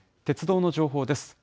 鉄道の情報です。